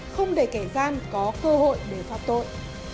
không để kẻ gian có cơ hội để phạm tội